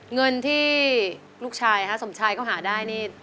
เงินที่ลูกชายสมชายเขาหาได้นี่